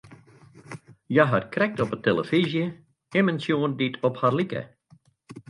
Hja hat krekt op 'e telefyzje immen sjoen dy't op har like.